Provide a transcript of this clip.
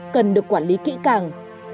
cần được quản lý kỹ càng